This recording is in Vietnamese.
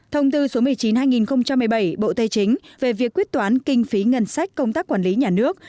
thông tư số một mươi chín hai nghìn một mươi bảy bộ tây chính về việc quyết toán kinh phí ngân sách công tác quản lý nhà nước